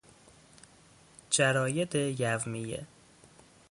جراید یومیه